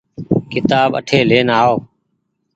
ڪيتآب اٺي لين آئو۔